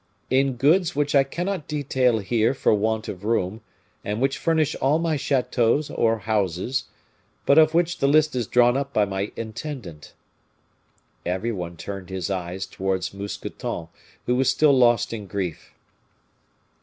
In goods which I cannot detail here for want of room, and which furnish all my chateaux or houses, but of which the list is drawn up by my intendant." Every one turned his eyes towards Mousqueton, who was still lost in grief.